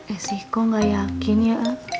eh sih kok gak yakin ya